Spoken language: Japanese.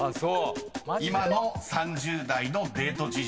［今の３０代のデート事情］